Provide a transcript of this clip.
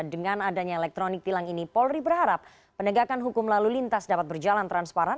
dengan adanya elektronik tilang ini polri berharap penegakan hukum lalu lintas dapat berjalan transparan